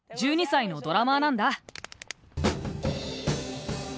１２さいのドラマーなんだ。